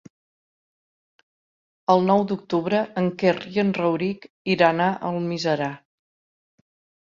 El nou d'octubre en Quer i en Rauric iran a Almiserà.